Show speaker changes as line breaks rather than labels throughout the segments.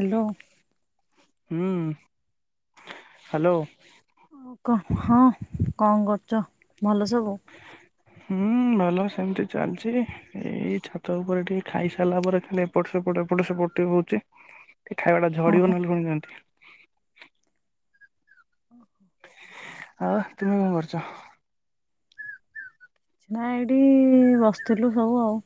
Hello.
ହୁଁ hello.
କ ହଁ କଣ କରୁଚ ଭଲ ସବୁ?
ହୁଁ ଭଲ ସେମିତି ଚାଲିଚି। ଏଇ ଛାତ ଉପରେ ଟିକେ ଖାଇସାରିଲା ପରେ ଖାଲି ଏପଟ ସେପଟ ଏପଟ ସେପଟ ଟିକେ ହଉଚି। ଖାଇବାଟା ଝଡ଼ିବ
ଓହୋ
ନହେଲେ ପୁଣି କେମିତି।
[unintelligible]
ଆଉ ତୁମେ କଣ କରୁଛ?
କିଛି ନାଇ ଏଇଠି ବସିଥିଲୁ ସବୁ ଆଉ।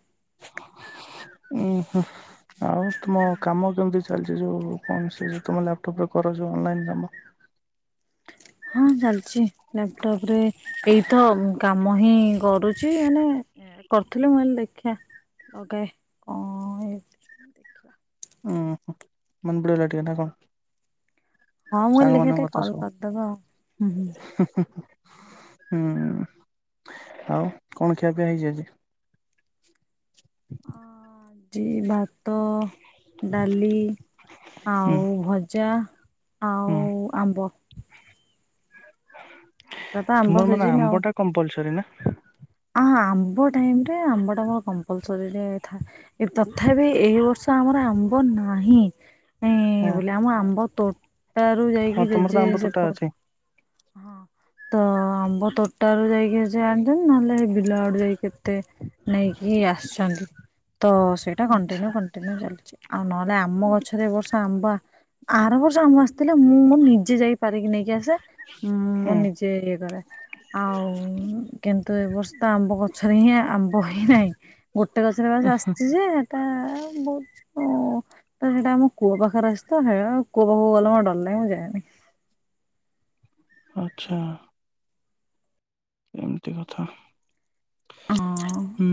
ଉଁ ହୁଁ ‌। ଆଉ ତୁମ କାମ କେମିତି ଚାଲିଚି ଯୋଉ କଣ ସେ ଯୋଉ ତୁମ ଲାପଟପରେ କର ଯୋଉ ଅନଲାଇନ୍ କାମ?
ହଁ ଚାଲିଛି ଲାପଟପରେ ଏଇତ କା କାମ ହିଁ ଗଡୁ଼ଛି ମାନେ କରୁଥିଲି ମୁଁ କହିଲି ଦେଖିଆ। ଓକେ କଁ ହେଇ
ଉଁ ହୁଁ ମନେ ପଡିଗଲା ଟିକେ ନା କଣ?
ହଁ ମୁଁ କହିଲି ଦେଖିଆ
ସାଙ୍ଗମାନଙ୍କ
ଟିକେ
କଥା
କଲ୍
ସବୁ।
କରିଦବା ଆଉ ହୁଁ ହୁଁ।
ହୁଁ ଆଉ କଣ ଖିଆ ପିଆ ହେଇଚି ଆଜି?
[unintelligible] ଆଜି ଭାତ ଡାଲି
ହୁଁ
ଆଉ ଭଜା।
ହୁଁ
ଆଉ ଆମ୍ବ। ଏରା ତ ଆମ୍ବ
ତୁମର ମାନେ
ସିଜିନ
ଆମ୍ବ ଟା କମ୍ପଲସରୀ ନା?
ଆହାଁ ଆମ୍ବ ଟାଇମରେ ଆମ୍ବଟା [unintelligible] କମ୍ପଲସରିରେ ଥାଏ। ଏ ତଥାପି ଏଇ ବର୍ଷ ଆମର ଆମ୍ବ ନାହିଁ। ଏ
ହଁ।
ବୋଲି ଆମ ଆମ୍ବ ତୋଟାରୁ
ହଁ
ଯାଇକି
ତମର ତ
ଜେଜେ
ଆମ୍ବ ତୋଟା
ସେପଟ
ଅଛି
ହଁ ତ ଆମ୍ବ ତୋଟାରୁୁ ଯାଇକି ସେ ଆଣିଛନ୍ତି ନହେଲେ ହେଇ ବିଲ ଆଡୁ ଯାଇକି ମତେ ନେଇକି ଆସିଛନ୍ତି ତ ସେଇଟା
ଆଚ୍ଛା
କଣ୍ଟିନ୍ୟୁ କର କଣ୍ଟିନ୍ୟୁ ଚାଲିଚି ଆଉ ନହେଲେ ଆମ ଗଛରେ ଏ ବର୍ଷ ଆମ୍ବୁଆ ଆର ବର୍ଷ ଆମ ଆସିଥିଲା ମୁଁ ମୋ ନିଜେ ଯାଇପାରିକି ନେଇକି ଆସେ। ମୁଁ ମୋ
ହୁଁ
ନିଜେ ଇଏ କରେ ଆଉ କିନ୍ତୁ ଏ ବର୍ଷ ତ ଆମ୍ବଗ ଗଛରେ ହିଁ ଆମ୍ବ ହିଁ ନାହିଁ ଗୋଟେ ଗଛରେ ବାସ୍ ଆସିଛି ଯେ ହେଟା ବହୁତ କ [unintelligible] ତ ହେଟା ଆମ କୂଅ ପାଖରେ ଅଛି ତ ହେରା କୂଅ ପାଖକୁ ଗଲେ ମୋତେ ଡର ଲାଗେ ମୁଁ ଯାଏନି।
ଆଚ୍ଛା। ଏମିତି କଥା।
ହଁ।
ହୁଁ।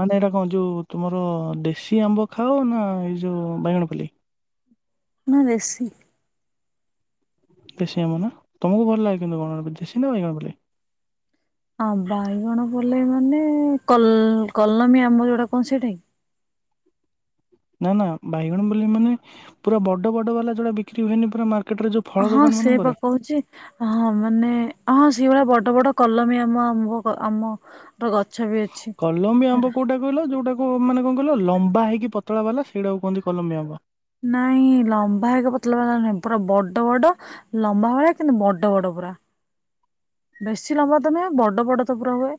ମାନେ ଏଇଟା କଣ ଯୋଉ ତୁମର ଦେଶୀ ଆମ୍ବ ଖାଅ ନା ଏଇ ଯୋଉ ବାଇଗଣପଲେଇ?
ନା ଦେଶୀ।
ଦେଶୀ ଆମ୍ୱ ନା ତମକୁ ଭଲ ଲାଗେ କିନ୍ତୁ କଣ ଦେଶୀ ନା ବାଇଗଣପଲେଇ?
ଆଁ ବାଇଗଣ ପଲେଇ ମାନେ କଲ୍ କଲମୀ ଆମ ଯୋଉଟା କଣ ସେଟାକି।
ନା ନା ବାଇଗଣପଲେଇ ମାନେ ପୁରା ବଡ ବଡ ବାଲା ଯୋଡା ବିକ୍ରି ହୁଏନି ପୁରା ମାର୍କେଟ ରେ ଯୋଉ ଫଳ
ହଁ
ଦୋକାନ ମାନଙ୍କରେ
ସେଇପା କହୁଚି। ହଁ ମାନେ ହଁ ସେଭଳିଆ ବଡ ବଡ କଲମୀ ଆମ ଆମ୍ୱ ଆମ ଗଛ ବି ଅଛି
କଲମ୍ବୀ ଆମ୍ବ
ସେଟା।
କୋଉଟା କହିଲ ଯୋଉଟାକୁ ମାନେ କଣ କହିଲ ଲମ୍ବା ହେଇକି ପତଳା ବାଲା ସେଇଟାକୁ କୁହନ୍ତି କଲମି ଆମ୍ବ।
ନାଇଁ ଲମ୍ବା ହେଇ କି ପତଲା ବାଲା ନୁହେଁ ପୁରା ବଡ ବଡ ଲମ୍ବା ଭଳିଆ କିନ୍ତୁ ବଡ ବଡ ପୁରା। ବେଶୀ ଲମ୍ବା ତ ନୁହେଁ ବଡ ବଡ ତ ପୁରା ହୁଏ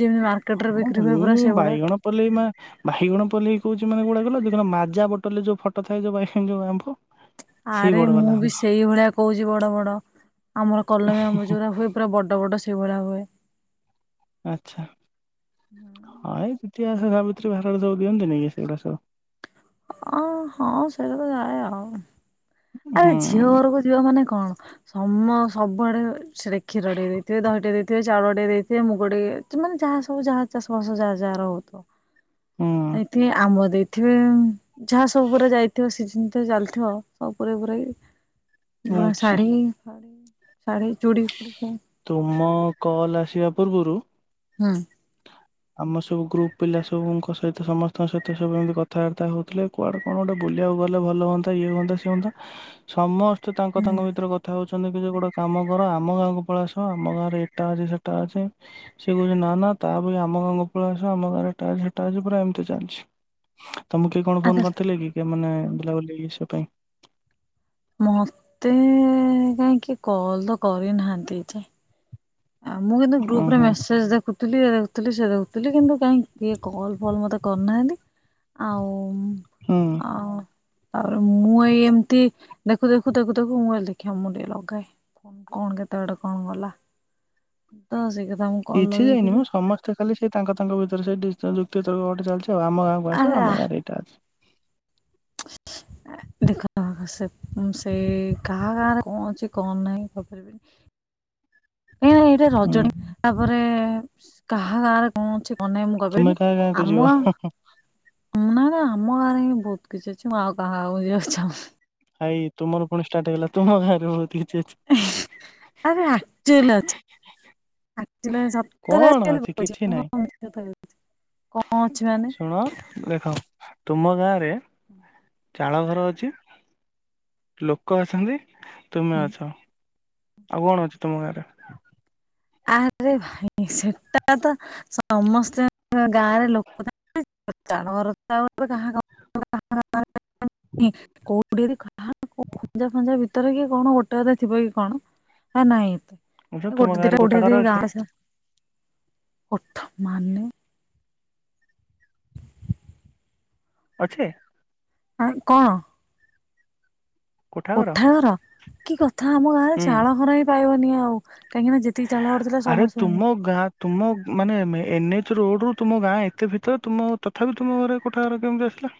ଯେମିତି ମାର୍
ଉଁ ହୁଁ ବାଇଗଣ ପଲେଇ ମା। ବାଇଗଣ ପଲେଇ କହୁଛି ମାନେ କଉଟା କହିଲ ମାଜା ବୋଟଲ ଫଟୋ ଥାଏ ଯୋଉ ବାଇଗଣ ଯୋଉ ଆମ୍ୱ।
ଆରେ ମୁଁ ବି ସେଇଭଳିଆ କହୁଛି ବଡ ବଡ ଆମର କଲମୀ ଆମ ଯୋରା ହୁଏ ପୁରା ବଡ଼ ବଡ଼ ସେଇଭଳିଆ ହୁଏ।
ଆଚ୍ଛା ହଁ ଏ ଦିତିଆ ଓଷା ସାବିତ୍ରୀ ଭାର ରେ ସବୁ ଦିଅନ୍ତି ନିକି ସେଗୁଡା ସବୁ।
ଅଁ ହଁ ସେରା ତ ଯାଏ ଆଉ। ଆରେ
ହୁଁ
ଝିଅ ଘରକୁ ଯିବ ମାନେ କଣ। ସମ ସବୁଆଡେ ସେଟେ କ୍ଷୀର ଟିକେ ଦେଇଥିବେ ଦହିଟେ ଦେଇଥିବେ ଚାଉଳ ଟେ ଦେଇଥିବେ ମୁଗ ଟିକେ ମାନେ ଯାହା ସବୁ ଯାହା ଚାଷ ବାସ ଯାହା ଯାହା ର ହଉ ଥୁବ।
ହୁଁ
ଏଥି ଆମ୍ୱ ଦେଇଥିବେ। ଯାହା ସବୁ ପୁରା ଯାଇଥିବ ସିଜନ୍ ତ ଚାଲିଥିବ ଆଉ ପୁରେଇ ପୁ ରାକି। ପୁରା
ଆଚ୍ଛା
ଶାଢୀ ଶାଢୀ ଚୁଡ଼ି ଫୁଡି ସବୁ।
ତୁମ କଲ ଆସିବା ପୂର୍ବରୁ
ହୁଁ।
ଆମ ସବୁ ଗ୍ରୁପ ପିଲା ସବୁଙ୍କ ସହିତ ସମସ୍ତଙ୍କ ସହିତ ସବୁ ଏମିତି କଥାବାର୍ତ୍ତା ହଉଥିଲେ। କୁଆଡ଼େ କଣ ଗୋଟେ ବୁଲିବାକୁ ଗଲେ ଭଲ ହୁଅନ୍ତା ଇଏ ହୁଅନ୍ତା ସେ ହୁଅନ୍ତା।
[inaudible]
ସମସ୍ତେ ତାଙ୍କ
ହୁଁ
ତାଙ୍କ ଭିତରେ କ କଥା ହଉଛନ୍ତି କି ଯେ ଗୋଟେ କାମ କର ଆମ ଗାଁକୁ ପଲେଇ ଆସ ଆମ ଗାଁରେ ଏଟା ଅଛି ସେଟା ଅଛି। ସେ କହୁଛି ନା ନା ତା ମାନେ ଆ ଆମ ଗାଁକୁ ପଳେଇ ଆସ ଆମ ଗାଁରେ ଏଟା ଅଛି ସେଟା ଅଛି ପୁରା ଏମିତି ଚାଲିଛି ତମୁ କିଏ କଣ
ଆରେ
ଫୋନ କରିଥିଲେ କି। ମାନେ ବୁଲା ବୁଲି ଇଏ ସିଏ ପାଇଁ?
ମତେ କାହିଁକିଏ କଲ ତ କରିନାହାନ୍ତି ଏଯାଏଁ। ଆ ମୁଁ କିନ୍ତୁ ଗ୍ରୁପ ରେ
ଓହୋ
ମେସେଜ ଦେଖୁ ଥିଲି ଇଏ ଦେଖୁଥିଲି ସିଏ ଦେଖୁଥିଲି କିନ୍ତୁ କାଇଁ କିଏ କଲ୍ ଫଲ୍ ମୋତେ କରିନାହାଁନ୍ତି ଆଉ
ହୁଁ
ଆଁ ତାପରେ ମୁଁ ଏଇ ଏମିତି ଦେଖୁ ଦେଖୁ ଦେଖୁ ଦେଖୁ ମୁଁ ଦେଖିଆ ମୁଁ ଟିକେ ଲଗାଏ। କଣ କେତେବାଟ କଣ ଗଲା। ତ ସେଇ କଥା ମୁ
କିଛି ଯାଇନି ମୁଁ ସମସ୍ତେ ସେ କାଲି ସେଇ ତାଙ୍କ ତାଙ୍କ ଭିତରେ ସେ ଯୁକ୍ତିତର୍କ ଗୋଟେ ଚାଲିଛି ଆଉ ଆମ ଗାଁକୁ ଆସ
ଆରେ ଆ
ଆମ ଗାଁରେ ଏଇଟା ଅଛି।
ଦେଖ ସେ ସେ କାହା ଗାଁରେ କଣ ଅଛି କଣ ନାହିଁ କହିପାରିବିନି। ଏ ଏଇଟା
ହୁଁ
ରଜଣୀ ତାପରେ କାହା ଗାଁରେ କଣ ଅଛି କଣ ନାଇଁ ମୁଁ
ତୁମେ
କହିପାରିବିନି
କାହା ଗାଁକୁ ଯିବ
ଆମ ନା ନା ଆମ ଗାଁରେ ବି ବହୁତ କିଛି ଅଛି ମୁଁ ଆଉ କାହା ଗାଁକୁ ଯିବାକୁ ଚାହୁଁନି।
ଭାଇ ତୁମର ପୁଣି ଷ୍ଟାର୍ଟ ହେଇଗଲା ତୁମ ଗାଁରେ ବହୁତ କିଛି ଅଛି।
ଆରେ ଆକ୍ଚୄଲି ଅଛି। ଆକ୍ଚୁଲି ସତରେ ଆ
କଣ
[inaudible] ଭଲ
ଅଛି କିଛି ନାହିଁ
ପାଉଛ? [inaudible] କଣ ଅଛି ମାନେ
ଶୁଣ ଦେଖ ତୁମ ଗାଁରେ ଚାଳ ଘର ଅଛି। ଲୋକ ଅଛନ୍ତି। ତୁମେ
ହଁ
ଅଛ। ଆଉ କଣ ଅଛି ତୁମ ଗାଁରେ?
ଆରେ ଭାଇ ସେଟା ତ ସମସ୍ତେ [inaudible] ଗାଁରେ ଲୋକ ଥାଆ [inaudible] ଚାଳଘର ତ [inaudible] କାହା ଘ [inaudible] ନି କୋ ଓଡ଼ିଆରେ କଥା ହବ କ ଖଞ୍ଜା ଫଞ୍ଜା ଭିତରେ କି କଣ ଗୋଟେ ଅଧେ ଥିବ କି କଣ ଆ, ନାଇଁ ତ।
ବୁଝ ତୁମ ଗାଁରେ ଗୋ
ଯଦି ଗାସ ଉଠ ମାନେ
ଅଛି?
ଆଁ, କଣ? କୋଠା ଘର କି କଥା ଆମ ଗାଁରେ
ହୁଁ
ଚାଳ ଘର ହିଁ ପାଇବନି ଆଉ। କାହିଁକି ନା ଯେ ତିକି ଚାଳ ଘର କରିଥିଲା
ଆରେ
ସମସ୍ତେ
ତୁମ
ଭାଙ୍ଗି
ଗାଁ ତୁମ ମାନେ ଏମେ ଏନ୍ ଏଚ୍ ରୋଡ୍ ରୁ ତୁମ ଗାଁ ଏତେ ଭିତରେ। ତୁମ ତଥାପି ତୁମ ଘରେ କୋଠା ଘରେ କେମିତି ଆସିଲା?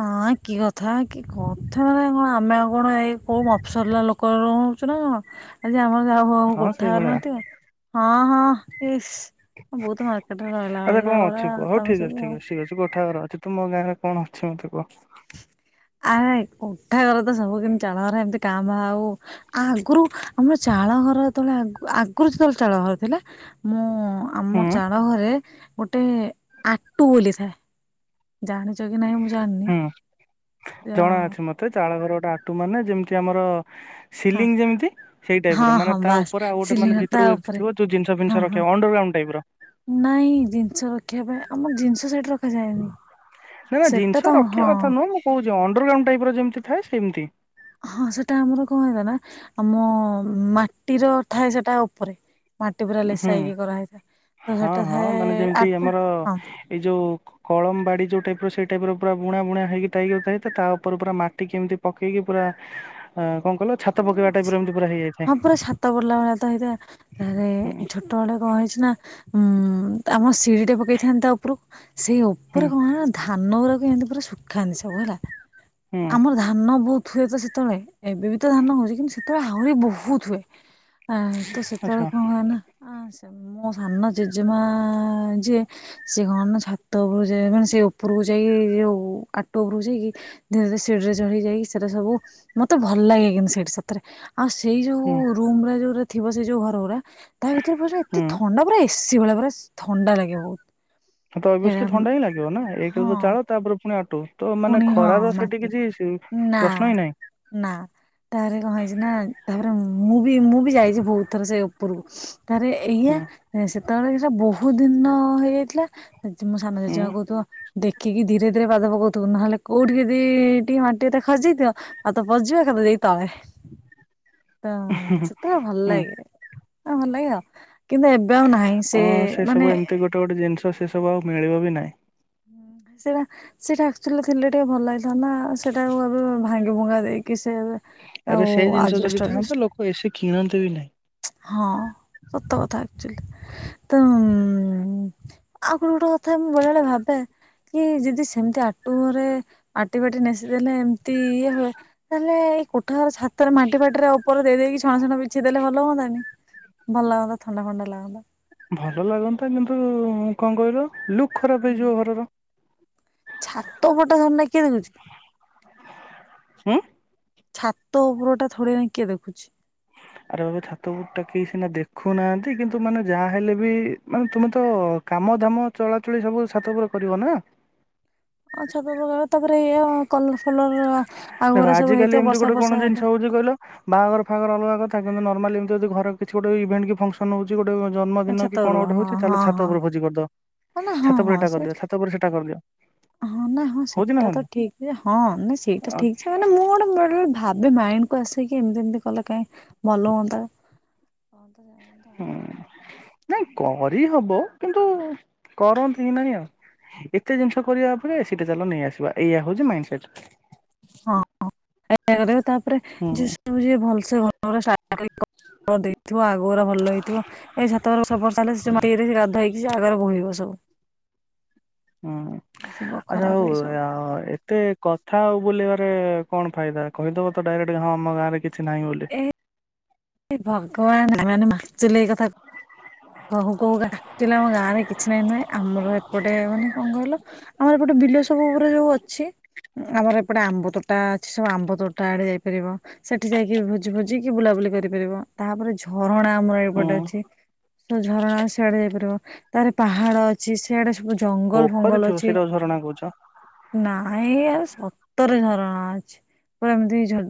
ଅଁ, କି କଥା କି କଥା ମାନେ କଣ ଆମେ ଆଉ କଣ ଏଇ କୋଉ ମଫସଲର ଲୋ କ ରହୁଛୁ ନା କଣ? ଆଜି ଆମର ଯା ମୋ
ହଁ
କୋଠା ଘର
ସେଇଭଳିଆ
ନଥିବ ହଁ ହଁ ଇସ୍ ବହୁତ ମାର୍କେଟ୍ ରେ ରହିଲା ବାଲା ଗୁରା ତୋମେ ସବୁ ଆଉ।
ଠିକ ଅଛି କୋଠା ଘର ଅଛି। ତୁମ ଗାଁରେ କଣ ଅଛି ମୋତେ କୁହ?
ଆ, କୋଠା ଘର ତ ସବୁ କେମିତି ଚାଳଘର ଏମିତି କାଁ ଭାଁ ଆଉ। ଆଗୁରୁ ଆମର ଚାଳ ଘର ଯେତେବେଳେ ଆଗୁ ଆଗୁରୁ ଯେତେବେଳେ ଚାଳ ଘର ଥିଲା ମୁଁ
ହୁଁ
ଆମ ଚାଳ ଘରେ ଗୋଟେ ଆଟୁ ବୋଲିଥାଏ। ଜାଣିଚକି ନାହିଁ ମୁଁ ଜାଣିନି। [inaudible]
ତ ଚାଳ ଘର ଗୋଟେ ଆଟୁ ମାନେ ଯେମିତି ଆମର ସିଲିଂ ଯେମିତି ସେଇ ଟାଇପ୍
ହଁ
ର ମାନେ
ହଁ
ତା
ବାସ୍
ଉପରେ ଆଉ ଗୋଟେ ମାନେ
ସିଲିଣ୍ଡର ତା
ଭିତରକୁ ଯଦି
ଉପରେ
ଥିବ ଯୋଉ ଜିନଷ
ହଁ
ଫିନିଷ
ହଁ
ରଖିବ ଅଣ୍ଡରଗ୍ରାଉଣ୍ଡ ଟାଇପ୍ ର।
ନାଇଁ ଜିନିଷ ରଖିବା ପାଇଁ ଆମ ଜିନିଷ ସେଠି ର
ନାଇ ନା ଜିନିଷ ରଖିବା
ହଁ
କଥା ନୁହଁ। ମୁଁ କହୁଛି ଅଣ୍ଡରଗ୍ରାଉଣ୍ଡ ଟାଇପ୍ ର ଯେମିତି ଥାଏ ସେମିତି।
ହଁ ସେଟା ଆମର କଣ ହେଲାନା ଆମ ମାଟିର ଥାଏ ସେଟା ଉପରେ। ମାଟି ପୁରା ଲେସା
ହୁଁ
ହେଇକି କରାହେଇଥାଏ ତ
ହଁ
ସେଟା
ହଁ
ଥାଏ
ମାନେ ଯେମିତି
ଆଟୁ
ଆମର
ହଁ।
ଏଇ ଯୋଉ କଳମ ବାଡ଼ି ଯୋଉ ଟାଇପ୍ ର ସେଇ ଟାଇପ୍ ର ପୁରା ବୁଣା ବୁଣା ହେଇକି ତାଇଗ ଥାଏ ତା ଉପରେ ପୁରା ମାଟି କେମିତି ପକେଇକି ପୁରା ଆ, କଣ କଇଲ
ଉଁ, ଛେ-ହଁ ପୁରା ଛାତ ପଡିଲା ଭଳିଆ ତ ହେଇଥାଏ। ଥରେ
ହୁଁ
ଛୋଟବେଳେ କଣ ହେଇଛିନା ଉଁ, ଆମ ସିଡିଟା ପକେଇଥାନ୍ତ ତା ଉ ପୁରୁ ସେଇ
ହୁଁ
ଉପରେ କଣ ହେଲା ଧାନ ଗୁଡ଼ା କୁ ଏମତି ପୁରା ଶୁଖାନ୍ତି ସବୁ ହେଲା।
ହୁଁ
ଆମର ଧାନ ବହୁତ ହୁଏ ତ ସେତେବେଳେ। ଏବେବି ତ ଧାନ ହଉଛି। କିନ୍ତୁ ସେ ତେବେଳେ ଆହୁରି ବହୁତ ହୁଏ। ଆ, ତ ସେତେବେଳେ
ଆଚ୍ଛା
କଣ ହଏ ନା ଆ, ସେ ମୋ ସାନ ଜେଜେମା ଯିଏ ସେ କଣ ନା ଛାତ ଉପରକୁ ଯାଇ ମାନେ ସେ ଉପରକୁ ଯାଇକି, ଯୋଉ ଆଟୁ ଉପରକୁ ଯାଇକି ଧରେ ଧିରେ ସିଡିରେ ଚଢି ଯାଇ ସେଟା ସବୁ ମୋତେ ଭଲ ଲାଗେ। [unintelligible] ସେଇଠି ସତରେ ଆଉ ସେଇ
ହୁଁ
ଯୋଉ ରୁମ୍ ଗୁରା ଯୋଉଟା ଥିବ ସେଇ ଯୋଉ ଘର ଗୁରା ତା ଭିତରେ ପୁରା
ହୁଁ
ଏତେ ଥଣ୍ଡା ପୁରା ଏସି ଭଳିଆ ପୁରା ଥଣ୍ଡା ଲାଗେ ବହୁତ।
ହଁ ତ
ସେଇଟା
ଅବ୍ୟସ୍ଲି ଥଣ୍ଡା ହିଁ ଲାଗିବ ନା ଏକ ରେ ତ
ହଁ
ଚାଳ ତାପରେ ପୁଣି ଆଟୁ। ତ ମାନେ
ପୁଣି ହଁ
ଖରାର ସେଠି
ମାଟି
କିଛି
ନା
ପ୍ରଶ୍ନ ହିଁ ନାହିଁ।
ନା। ତାରେ କଣ ହେଇଛି ନା ତାପରେ ମୁଁ ବି ମୁଁ ବି ଯାଇଛି ବହୁତ ଥର ସେ ଉପରକୁ ତାରେ ଏଇଆ
ହୁଁ
ସେତେବେଳେ ସେଟା ବହୁତ ଦିନର ହେଇଯାଇଥିଲା ମୋ ସାନ
ହୁଁ
ଜେଜେମା କହୁଥିବ ଦେଖିକି ଧୀରେ ଧୀରେ ପାଦ ପକଉ ତୁ ନହେଲେ କୋଉଠି ଯଦି ଟିକେ ମାଟି ଯଦି ଖସି ଯାଇଥିବ ପାଦ ପଶିଯିବ ସେପଟେ ଯାଇଁକି ତଳେ। ତ
ହୁଁ ହୁଁ
ସେତେବେଳେ ଭଲ
ହୁଁ
ଲାଗେ। ଭଲ ଲାଗେ ଆଉ। କିନ୍ତୁ ଏବେ ଆଉ ନାହିଁ ସେ ମାନେ
ଗୋଟ ଗୋଟେ ଜିନିଷ ସେସବୁ ଆଉ ମିଳିବ ବି ନାହିଁ।
ସେଟା ସେଟା ଆକ୍ଚୁଆଲି ଥିଲେ ଟିକେ ଭଲ ଲାଗିଥାନ୍ତା ସେଟା ଆଉ ଏବେ ଭାଙ୍ଗି ଭୁଙ୍ଗା ଦେଇକି ସିଏ ଏବେ
ଆରେ ସେଇ ଜିନିଷ ଯଦି ଥାଆନ୍ତା ଲୋକ ଏସି କିଣନ୍ତେ ବି ନାହିଁ।
ହଁ ସତ କଥା ଆକଚୁଆଲି। ତ ଆଉ ଗୋଟେ ଗୋଟେ କଥା ମୁଁ ବେଳେବେଳେ ଭାବେ କି ଯଦି ସେମିତି ଆଟୁଘରେ ମାଟି ବାଟି ନେସିିଦେଲେ ଏମ ଇଏ ହୁଏ ତାହାଲେ ଏଇ କୋଠାଘର ଛାତରେ ମାଟି ଫାଟି ରେ ଉପରେ ଦେଇକି ଛଣ ଛଣ ବିଛେଇ ଦେଲେ ହ ହୁଅନ୍ତାନି। ଭଲ ଲାଗନ୍ତା ଥଣ୍ଡା ଥଣ୍ଡା ଲାଗନ୍ତା।
ଭଲ ଲାଗନ୍ତା କିନ୍ତୁ କଣ କହିଲ ଲୁକ୍ ଖରାପ
ହୁଁ
ହେଇଯିବ ଘରର।
ଛାତ ଉପରଟା ଥୋଡିନା କିଏ ଦେଖୁଛି?
ହୁଁ।
ଛାତ ଉପର ଟା ଥୋଡ଼ିନା କିଏ ଦେଖୁଛି।
ଆରେ ବାବା ଛାତ ଉପରଟା କିଏ ସିନା ଦେଖୁନାହାନ୍ତି କିନ୍ତୁ ମାନେ ଯାହାହେଲେ ବି ମାନେ ତୁମେ ତ କାମ ଧାମ ଚଳାଚଳି ସବୁ ଛାତ ଉପରେ କରିବ ନା।
ଅ ଛାତ ଉପରେ କଲେ ତାପରେ ଏଇଆ ଆଉ କଲର ଫଲର
ଦେଖ
ଆଗଗୁରା ସବୁ
ଆଜିକାଲି
ହେଇଥିବ
ଏମିତି
ବର୍ଷା
ଗୋଟେ
ଫର୍ଷା ହେଲେ।
[unintelligible] ବାହାଘର ଫାଆଘର ଅଲଗା କଥା କିନ୍ତୁ ନର୍ମାଲି ଏମତି ଯଦି ଘରେ କିଛି ଗୋଟେ ଇଭେଣ୍ଟ କି ଫଙ୍କସ ଫଙ୍କସନ୍ ହୋଉଛି ଗୋଟେ ଜନ୍ମଦିନ
ଛାତ
କି କଣ
ଉପରକୁ
ଗୋଟେ
ହଁ
ହୋଉଛି ଚାଲ
ହଁ
ଛାତ
ହଁ
ଉପରେ ଭୋଜି କରିଦବା।
ମାନେ ହଁ
ଛାତ ପରେ
ହଁ
ଏଟା
ସେଇଟା
କରିଦିଅ ଛାତ ପରେ ସେଟା କରିଦିଅ।
ହଁ ନା ହଁ
ହଉଛି ନା
ସେଟା ତ
ହଉନି
ଠିକ୍ ଯେ ହଁ ନାଇଁ ସେଇଟା
ଆ
ଠିକ୍ ଯେ ମାନେ ମୁଁ ଗୋଟେ ଭାବେ ମାଇଣ୍ଡ କୁ ଆସେକି ଏମିତି ଏମିତି କଲେ କାଇଁ ଭଲ ହୁଅନ୍ତା।
ହୁଁ। ନାଇଁ କରି ହବ, କିନ୍ତୁ କରନ୍ତି ନାଇଁ ଆଉ। ଏତେ ଜିନିଷ କରିବା ଅପେକ୍ଷା ଏସି ଟା ଚାଲ ନେଇ ଆସିବା ଏଇଆ ହୋଉଛି ମାଇଣ୍ଡ ସେଟ୍।
ହଁ ତାପରେ
ହୁଁ
ଯିଏ ସବୁ ଯିଏ ଭଲସେ କଲର୍ ଦେଇଥିବ ଆଗଗୁରା ଭଲ ହେଇଥିବ। ଏଇ ଛାତ ଉପରେ ସବୁ ବର୍ଷା ହେଲେ [unintelligible] ସେ ଆଗରେ ବୋହିବ ସବୁ।
ହୁଁ,
ଯିବ
ଆ
ଖରାପ
ଯୋଉ
ହେଇ ସବୁ
ଏତେ କଥା ଆଉ ବୁଲେଇବାରେ କଣ ଫାଇଦା। କହିଦବ ତ ଡାଇରେକ୍ଟ ହଁ ଆମ ଗାଁରେ କିଛି ନାହିଁ ବୋଲି।
ହେ ଭଗବାନ୍ [unintelligible] କହୁ କହୁକା ଆକ୍ଚୁଆଲି ଆମ ଗାଁ ରେ କିଛି ନାହିଁ ନୁହେଁ ଆମର ଏପଟେ ମାନେ କଣ କହିଲ ଆମର ଏପଟେ ବିଲ ସବୁ ଉପରେ ଯୋଉ ଅଛି। ଆମର ଏପଟେ ଆମ୍ବ ତୋଟା ଅଛି ସବୁ ଆମ୍ବ ତୋଟା ଆଡେ ଯାଇପାରିବ। ସେଠି ଯାଇକି ଭୋଜି ଫୋଜି କିି ବୁଲାବୁଲି କରିପାରିବ। ତାପରେ ଝରଣା ଆମର
ହୁଁ
ଏପଟେ ଅଛି। ତ ଝରଣା ସିଆଡେ ଯାଇପାରିବ ତାପରେ ପାହାଡ। ଅଛି ସିଆଡେ ସବୁ ଜଙ୍ଗଲ
ପୋଖରୀ
ଫଙ୍ଗଲ
ଥିବ
ଅଛି।
ସେଇଟାକୁ ଝରଣା କହୁଛ
ନାଇଁ ଆଉ ସତରେ ଝରଣା ଅଛି। ପୁରା ଏମିତି ଝ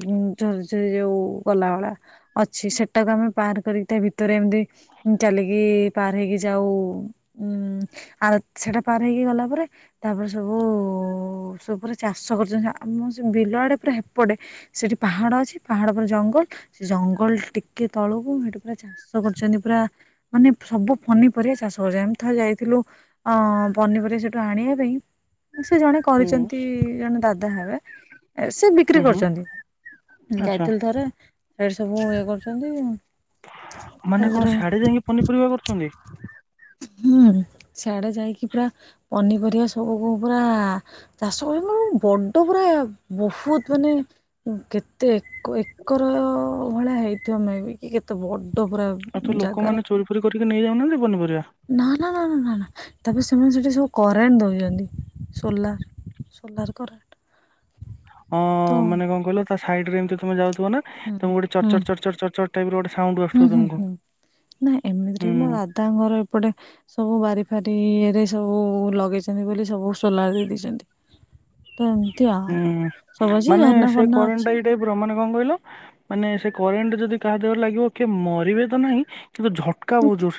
ଝରଝରି ଯୋଉ ଗଲାଭଳା। ଅଛି ସେଟାକୁ ଆମେ ପାର୍ କରିକି ତା ଭିତରେ ଏମିତି ଉଁ ଚାଲିକି ପାର ହେଇକି ଯାଉ ଉ ଆ ସେଟା ପାର ହେଇକି ଗଲା ପରେ ତାପରେ ସବୁ ସବୁ ପୁରା ଚାଷ କରୁଛନ୍ତି ଆମ ସେ ବିଲ ଆଡ଼େ ପୁରା ହେପଟେ। ସେଠି ପାହାଡ଼ ଅଛି ପାହାଡ଼ ପରେ ଜଙ୍ଗଲ ସେ ଜଙ୍ଗଲ ଟିକେ ତଳକୁ ମୁଁ ହେଠି ପୁରା ଚା ଷ କରୁଛନ୍ତି ପୁରା। ମାନେ ସବୁ ପନିପରିବା ଚାଷ କରୁଚନ୍ତି ଏମିତି ଥରେ ଯାଇଥିଲୁ। ଆ ପନିପରିବା ସେଠୁ ଆଣିବା ପାଇଁ ସେ ଜଣେ
ହୁଁ
କରିଚନ୍ତି ଜଣେ ଦାଦା ହେବେ ଏ ସେ ବିକ୍ରି
ହୁଁ ହୁଁ
କରୁଚନ୍ତି।
ଆଚ୍ଛା
ଯାଇଥିଲୁ ଥରେ ହେଇଠି ସବୁ ଇଏ କରୁଚନ୍ତି।
ମାନେ କଣ ସିଆଡ଼େ ଯାଇକି ପନିପରିବା କରୁଚନ୍ତି।
ହୁଁ ସିଆଡ଼େ ଯାଇକି ପୁରା ପନିପରିବା ସବୁକୁ ପୁରା ଚାଷ କରୁଚନ୍ତି ମାନେ ବଡ଼ ପୁରା ବୋହୁତ ମାନେ କେତେ ଏକ ଏକର ଭଳିଆ ହେଇଥିବ ମେବି। କି କେତେ ବଡ଼ ପୁରା
ଆଉ ତ
ଜାଗାରେ।
ଲୋକମାନେ ଚୋରି କରିକି ନେଇ ଯାଉନାହାନ୍ତି ପନିପରିବା?
ନା ନା ନା ନା ନା ନା ତାପରେ ସେମାନେ ସେଠି ସବୁ କରେଣ୍ଟ ଦୋଉଚନ୍ତି ସୋଲାର। Solar current.
ହଁ
ତ
ମାନେ କଣ କହିଲ ତା ସାଇଡ଼ ରେ ଏମିତି ତମେ ଯାଉଥିବ ନା?
ହୁଁ
ତମକୁ ଗୋଟେ ଚର୍ଡ
ହୁଁ
ଚର୍ଡ ଚର୍ଡ ଚର୍ଡ ଟାଇପ୍ ର ଗୋଟେ ସାଉଣ୍ଡ
ହୁଁ
ଆସୁଥିବ
ହୁଁ
ତମକୁ ଉଁ।
ତାଙ୍କଗର ଏପଟେ ସବୁ ବାରି ଫାରି ଇଏରେ ସବୁ ଲଗେଇଛନ୍ତି ବୋଲି ସବୁ ସୋଲାର୍ ଦେଇ ଦେଇଚନ୍ତି। ତ ଏମିତିଆ
ହୁଁ
ସବୁ ଅଛି ଝର୍ନା ଫର୍ଣ୍ନା ଅଛି।
ପୁରା ମାନେ କଣ କହିଲ ମାନେ ସେ କରେଣ୍ଟ୍ ଯଦି କାହା ଦେହରେ ଲାଗିବ କିଏ ମରିବେ ତ ନାହିଁ କିନ୍ତୁ ଝଟ୍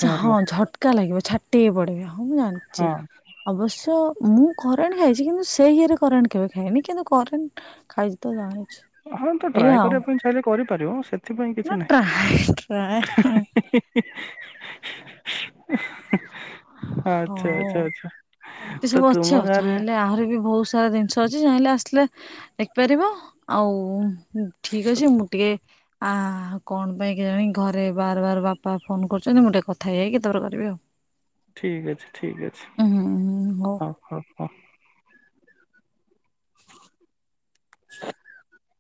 ଚା ହଁ ଝଟ୍କା ଲାଗିବ ଛାଟି ହେଇପଡ଼ିବେ ହଁ ମୁଁ
ହଁ
ଜାଣିଛି। ଅବଶ୍ୟ ମୁଁ କରେଣ୍ଟ୍ ଖାଇଛି କିନ୍ତୁ ସେଇ ଇଏରେ କରେଣ୍ଟ କେବେ ଖାଇନି କିନ୍ତୁ କରେଣ୍ଟ୍ ଖାଇଚି ତ ଜାଣିଛି।
ହଁ ତ
ଏଇ
ଟ୍ରାଏ
ଆଉ
କରିବା ପାଇଁ ଚାହିଁଲେ କରିପାରିବ ସେଥିପାଇଁ
ନା
କିଛି
ଟ୍ରାଏ ଟ୍ରାଏ ନୁହେଁ
ନାହିଁ। [unintelligible]
ହଁ
ଆଚ୍ଛା ଆଚ୍ଛା ଆଚ୍ଛା
ଏମିତି
ତ
ସବୁ ଅଛି
ତୁମ
ଆଉ
ଗାଁରେ
ଚାହିଁଲେ ଆହୁରି ବି ବୋହୁତ ସାରା ଜିନିଷ ଅଛି ଚାହିଁଲେ ଆସିଲେ ଦେଖିପାରିବ ଆଉ ଠିକ୍ ଅଛି ମୁଁ ଟିକେ ଆ କଣ ପାଇଁ କେଜାଣି ଘରେ ବାର ବାର ବାପା ଫୋନ କରୁଚନ୍ତି ମୁଁ ଟିକେ କଥା ହେଇଯାଇକି ତାପରେ କରିବି ଆଉ।
ଠିକ୍ ଅଛି ଠିକ୍
ଉଁ
ଅଛି
ହୁଁ ହୁଁ ହଉ।
ହଁ ହଁ ହଁ। [unintelligible]